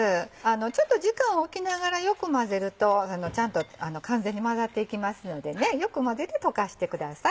ちょっと時間を置きながらよく混ぜるとちゃんと完全に混ざっていきますのでよく混ぜて溶かしてください。